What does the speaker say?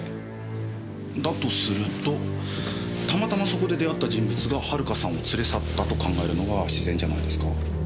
だとするとたまたまそこで出会った人物が遥さんを連れ去ったと考えるのが自然じゃないですか？